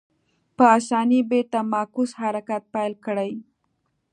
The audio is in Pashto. په اسانۍ بېرته معکوس حرکت پیل کړي.